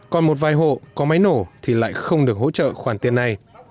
còn một vài hộ có máy nổ thì lại không được hỗ trợ khoản tiền này